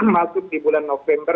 masuk di bulan november